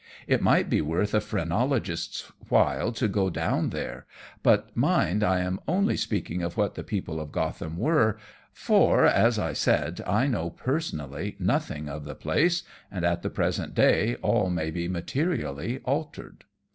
It might be worth a phrenologist's while to go down there. But mind, I am only speaking of what the people of Gotham were, for, as I said, I know, personally, nothing of the place, and at the present day all may be materially altered.